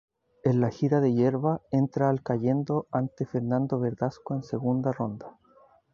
En la gira de hierba entra al cayendo ante Fernando Verdasco en segunda ronda.